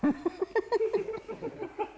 フフフフ！